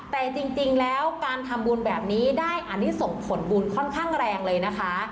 แต่จริงแล้วการทำบุญแบบนี้ได้อันนี้ส่งผลบุญค่อนข้างแรงเลยนะคะ